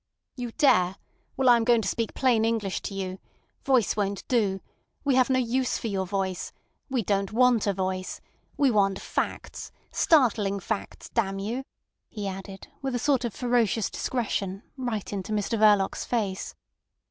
"You dare! Well, I am going to speak plain English to you. Voice won't do. We have no use for your voice. We don't want a voice. We want facts—startling facts—damn you," he added, with a sort of ferocious discretion, right into Mr Verloc's face.